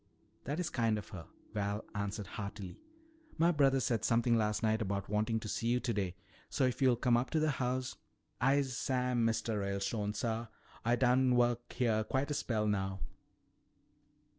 "That is kind of her," Val answered heartily. "My brother said something last night about wanting to see you today, so if you'll come up to the house " "I'se Sam, Mistuh Ralestone, suh. Ah done work heah quite a spell now."